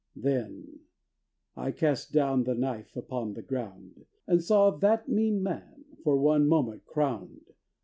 Then I cast down the knife upon the ground And saw that mean man for one moment crowned.